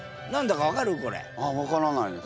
あっ分からないです。